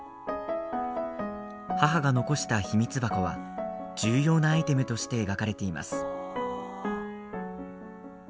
母が残した秘密箱は重要なアイテムとして描かれています。